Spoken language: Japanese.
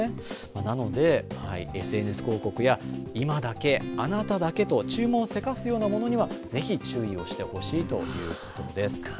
なので、ＳＮＳ広告や今だけ、あなただけと注文をせかすようなものにはぜひ注意をしてほしいということです。